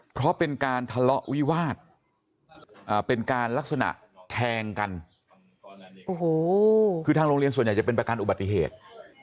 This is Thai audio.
เพราะเป็นการทะเลาะวิวาสเป็นการลักษณะแทงกันโอ้โหคือทางโรงเรียนส่วนใหญ่จะเป็นประกันอุบัติเหตุ